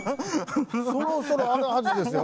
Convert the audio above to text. そろそろあるはずですよ。